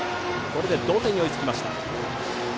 これで同点に追いつきました。